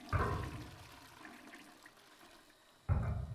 তাহলে সেটাকে ব্যবহার করা যাক।